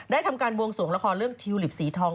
ทำการบวงสวงละครเรื่องทิวลิปสีทอง